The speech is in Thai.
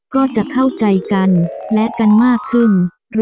ก็จะเข้าใจกันและกันมากขึ้น